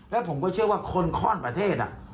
แล้วผมก็เชื่อว่าคนข้อนประเทศ